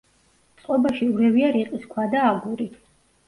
წყობაში ურევია რიყის ქვა და აგური.